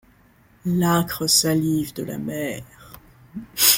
L'âcre salive de la mer.